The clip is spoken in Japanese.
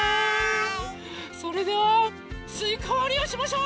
それではすいかわりをしましょう！